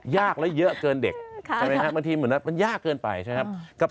ยากแล้วเยอะเกินเด็กใช่ไหมครับบางทีเหมือนมันยากเกินไปใช่ไหมครับ